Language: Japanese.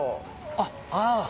あっあぁ！